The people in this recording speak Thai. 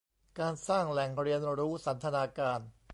การสร้างแหล่งเรียนรู้สันทนาการ